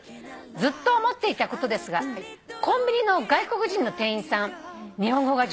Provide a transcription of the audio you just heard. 「ずっと思っていたことですがコンビニの外国人の店員さん日本語が上手ですよね」